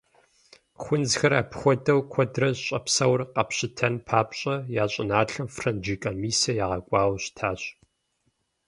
Хунзхэр апхуэдэу куэдрэ щӏэпсэур къапщытэн папщӏэ, я щӏыналъэм франджы комиссэ ягъэкӏуауэ щытащ.